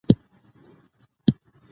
سیلانیان نور نه راځي.